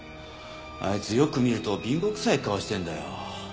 あいつよく見ると貧乏くさい顔してんだよ。